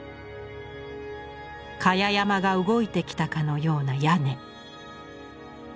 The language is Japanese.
かや山が動いてきたかのような屋根。